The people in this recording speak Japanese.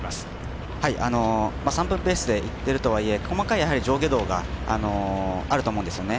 ３分ペースでいっているとはいえ細かい上下動があると思います。